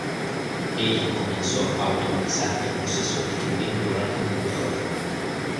Ella comenzó a automatizar el proceso escribiendo programas de computadora.